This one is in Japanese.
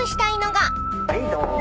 はいどうぞ。